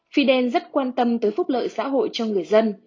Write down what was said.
fidel rất quan tâm tới phúc lợi xã hội cho người dân